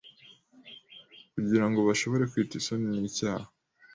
Kugira ngo bashobore kwita isoni nicyaha